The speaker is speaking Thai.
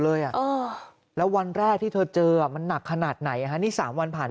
เลยอ่ะแล้ววันแรกที่เธอเจอมันหนักขนาดไหนนี่๓วันผ่าน